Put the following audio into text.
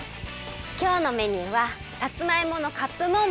きょうのメニューはさつまいものカップモンブランにきまり！